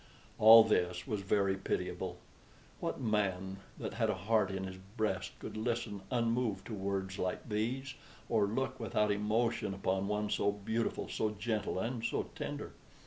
All this was very pitiable. What man that had a heart in his breast could listen unmoved to words like these, or look without emotion upon one so beautiful, so gentle, and so tender?